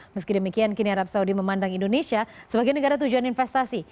meski demikian kini arab saudi memandang indonesia sebagai negara tujuan investasi